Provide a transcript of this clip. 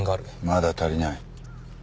まだ足りない。